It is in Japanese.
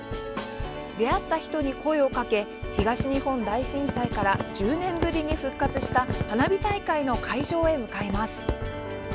出会った人に声をかけ東日本大震災から１０年ぶりに復活した花火大会の会場へ向かいます。